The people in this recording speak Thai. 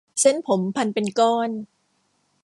เส้นผมพันเป็นก้อน